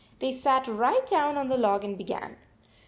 They sat right down on the log and began.